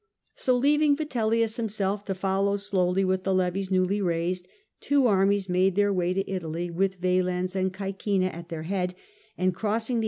So leaving Vitellius himself to follow slowly with the levies newly raised, two armies made their way to Italy, with Valens and Caecina at their head, and crossing the